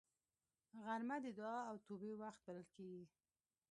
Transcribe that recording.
غرمه د دعا او توبې وخت بلل کېږي